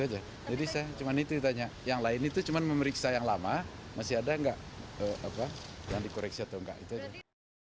jadi saya cuma itu ditanya yang lain itu cuma memeriksa yang lama masih ada tidak yang dikoreksi atau tidak